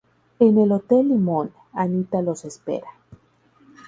En el Hotel Limón, Anita los espera.